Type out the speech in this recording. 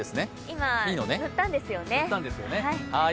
今、塗ったんですよね。